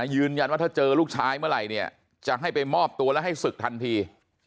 ยืนยันว่าถ้าเจอลูกชายเมื่อไหร่เนี่ยจะให้ไปมอบตัวแล้วให้ศึกทันที